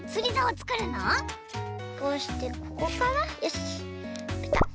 こうしてここからよしぴたっ！